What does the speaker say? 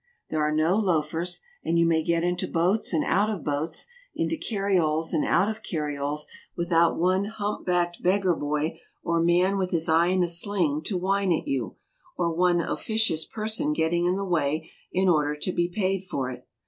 There are no loafers ; and you may get into boats and out of boats, into carrioles and out of carrioles, without one humpbacked beggar boy or man with his eye in a sling to whine at you, or one officious person getting in the way in order to be paid for it.